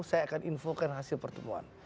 saya akan infokan hasil pertemuan